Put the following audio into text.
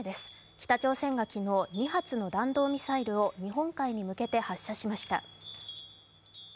北朝鮮が昨日、２発の弾道ミサイルを日本海に向けて発射しました。